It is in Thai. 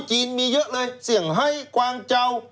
จีนมีเยอะเลยเสี่ยงไฮกวางเจ้า